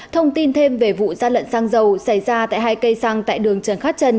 thông tin thêm về vụ gian lận xăng dầu xảy ra tại hai cây xăng tại đường trần khát trân